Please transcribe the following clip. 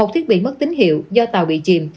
một thiết bị mất tín hiệu do tàu bị chìm